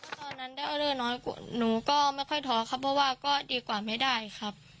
ตอนนั้นได้ออเดอร์น้อยกว่าหนูก็ไม่ค่อยท้อครับเพราะว่าก็ดีกว่าไม่ได้ครับ